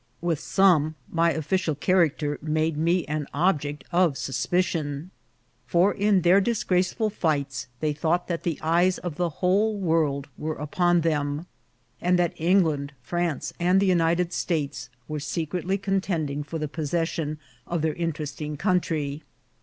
With some my official character made VOL. II,— D 3 26 INCIDENTS OF TRAVEL. me an object of suspicion ; for in their disgraceful fights they thought that the eyes of the whole world were upon them, and that England, France, and the United States were secretly contending for the possession of their in teresting country.